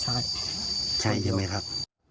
ใช่ใช่มั้ยครับ